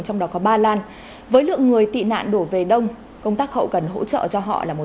trong đó có ba lan với lượng người tị nạn đổ về đông công tác hậu cần hỗ trợ cho họ là một